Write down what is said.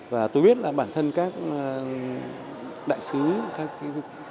và tôi biết là bản thân các đại sứ các